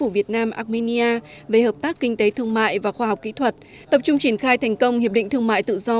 về hợp tác kinh tế thương mại và khoa học kỹ thuật tập trung triển khai thành công hiệp định thương mại tự do